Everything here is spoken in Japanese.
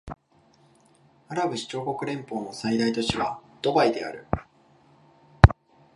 アラブ首長国連邦の最大都市はドバイである